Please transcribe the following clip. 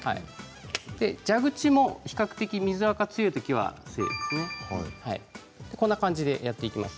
蛇口も比較的、水あか強いときは静です。